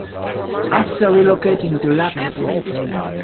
After relocating to Lac Ste.